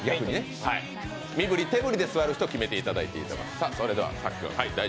身振り手振りで座る人を決めていただきたいと思います。